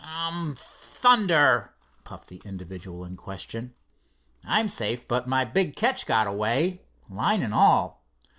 "U um! Thunder!" puffed the individual in question. "I'm safe, but my big catch got away, line and all."